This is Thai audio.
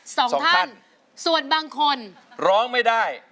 สองท่านสองท่านส่วนบางคนร้องไม่ได้